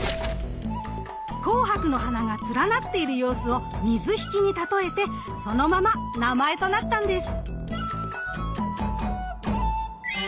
紅白の花が連なっている様子を水引に例えてそのまま名前となったんです。